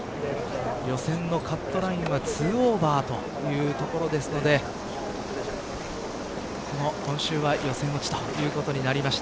予選のカットラインは２オーバーというところですので今週は予選落ちということになりました